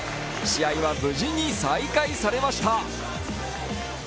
試合は無事に再開されました。